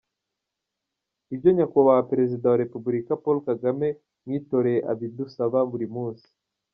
Ibyo Nyakubahwa Perezida wa Repubulika Paul Kagame mwitoreye abidusaba buri munsi”.